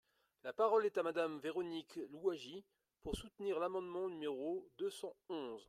La parole est à Madame Véronique Louwagie, pour soutenir l’amendement numéro deux cent onze.